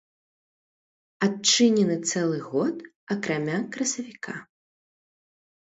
Адчынены цэлы год, акрамя красавіка.